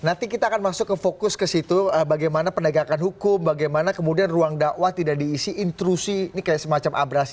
nanti kita akan masuk ke fokus ke situ bagaimana penegakan hukum bagaimana kemudian ruang dakwah tidak diisi intrusi ini kayak semacam abrasi